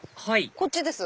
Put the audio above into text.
こっちです。